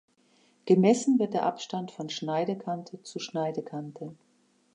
Gemessen wird der Abstand von Schneidekante zu Schneidekante.